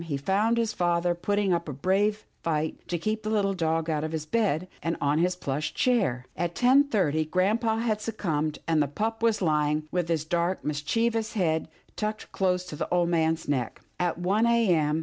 he found his father putting up a brave fight to keep the little dog out of his bed, and on his plush chair. At ten thirty grampa had succumbed, and the pup was lying with his dark mischievous head tucked close to the old man's neck. At one a. m.